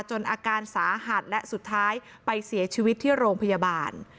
อาการสาหัสและสุดท้ายไปเสียชีวิตที่โรงพยาบาล